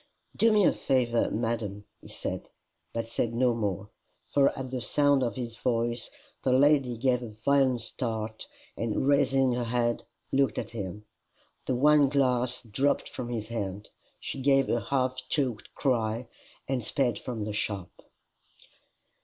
"Do me the favour, madam," he said but said no more. For at the sound of his voice, the lady gave a violent start, and raising her head looked at him. The wine glass dropped from his hand. She gave a half choked cry, and sped from the shop.